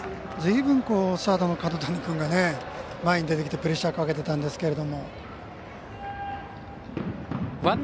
ずいぶん、サードの角谷君が前に出てきてプレッシャーかけてたんですが。